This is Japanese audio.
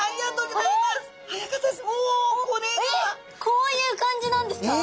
こういう感じなんですか？